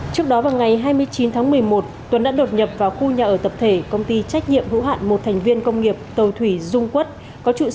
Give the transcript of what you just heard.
trước đó vào ngày hai mươi chín tháng một mươi một tuấn đã đột nhập vào khu nhà ở tập thể công ty trách nhiệm hữu hạn một thành viên công nghiệp tàu thủy dung quất